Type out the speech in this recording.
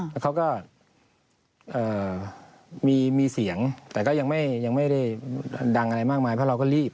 แล้วเขาก็มีเสียงแต่ก็ยังไม่ได้ดังอะไรมากมายเพราะเราก็รีบ